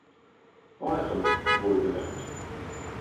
Euren, wohlgemerkt!